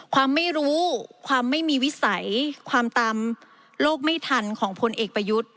ความไม่รู้ความไม่มีวิสัยความตามโลกไม่ทันของพลเอกประยุทธ์